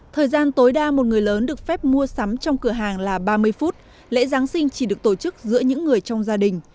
thời gian tối đa một người lớn được phép mua sắm trong cửa hàng là ba mươi phút lễ giáng sinh chỉ được tổ chức giữa những người trong gia đình